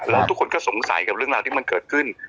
แล้วทุกคนก็สงสัยกับเรื่องราวที่มันเกิดขึ้น